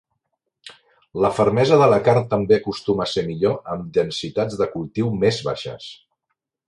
La fermesa de la carn també acostuma a ser millor amb densitats de cultiu més baixes.